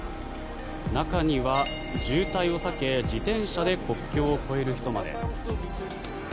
中には、渋滞を避け自転車で国境を越える人まで。